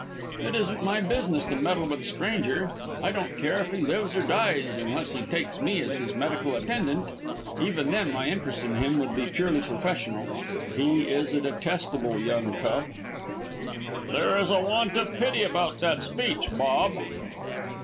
"It isn't my business to meddle with a stranger. I don't care if he lives or dies unless he takes me as his medical attendant. Even then my interest in him would be purely professional. He is a detestable young cub." "There is a want of pity about that speech, Bob!"